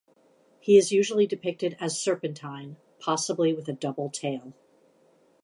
He is usually depicted as serpentine, possibly with a double tail.